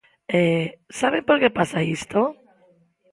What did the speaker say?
E ¿saben por que pasa isto?